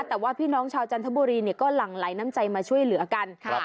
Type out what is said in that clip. แต่ว่าพี่น้องชาวจันทบุรีก็หลั่งไหลน้ำใจมาช่วยเหลือกัน